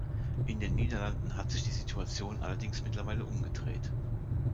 In den Niederlanden hat sich die Situation allerdings mittlerweile umgedreht.